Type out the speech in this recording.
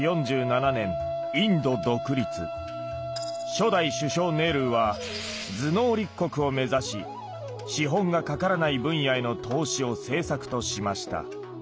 初代首相ネルーは頭脳立国を目指し資本がかからない分野への投資を政策としました。